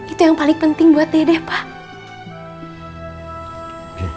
itu yang paling penting buat deh pak